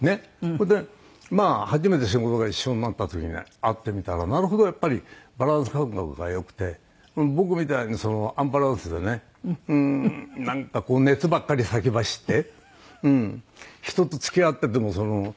それで初めて仕事が一緒になった時に会ってみたらなるほどやっぱりバランス感覚が良くて僕みたいにアンバランスでねなんかこう熱ばっかり先走って。